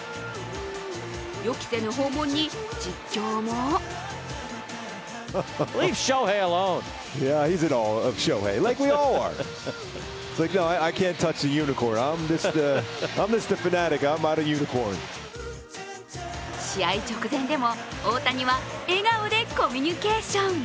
予期せぬ訪問に、実況も試合直前でも大谷は笑顔でコミュニケーション。